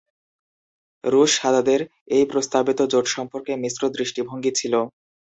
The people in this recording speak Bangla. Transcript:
রুশ সাদাদের এই প্রস্তাবিত জোট সম্পর্কে মিশ্র দৃষ্টিভঙ্গি ছিল।